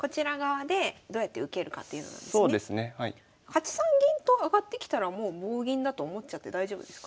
８三銀と上がってきたらもう棒銀だと思っちゃって大丈夫ですか？